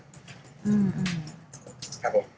อืมครับผม